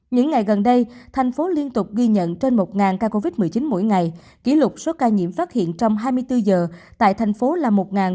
những ngày gần đây thành phố liên tục ghi nhận trên một ca covid một mươi chín mỗi ngày kỷ lục số ca nhiễm phát hiện trong hai mươi bốn h tại thành phố là một bốn trăm linh